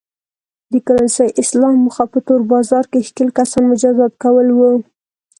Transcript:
د کرنسۍ اصلاح موخه په تور بازار کې ښکېل کسان مجازات کول و.